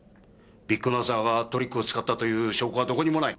ビッグマザーがトリックを使ったという証拠はどこにもない。